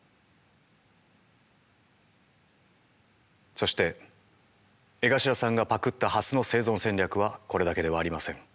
そして江頭さんがパクったハスの生存戦略はこれだけではありません。